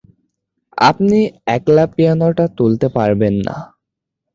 আপনি একলা পিয়ানোটা তুলতে পারবেন না।